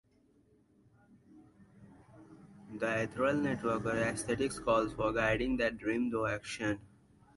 The ethereal networker aesthetic calls for guiding that dream through action.